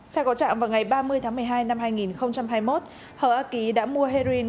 theo cầu trạng vào ngày ba mươi tháng một mươi hai năm hai nghìn hai mươi một hở a ký đã mua heroin